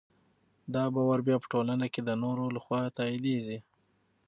دا باور بیا په ټولنه کې د نورو لخوا تاییدېږي.